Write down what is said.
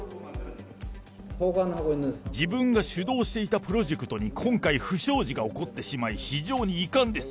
自分が主導していたプロジェクトに、今回不祥事が起こってしまい、非常に遺憾です。